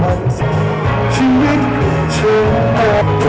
ขอบคุณทุกเรื่องราว